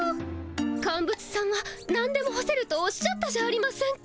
カンブツさんはなんでも干せるとおっしゃったじゃありませんか。